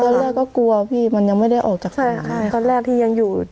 ตอนแรกก็กลัวพี่มันยังไม่ได้ออกจากตอนแรกที่ยังอยู่